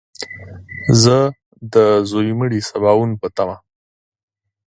زه د ځوی مړي سباوون په تمه !